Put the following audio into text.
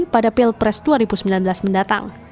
pada pilpres dua ribu sembilan belas mendatang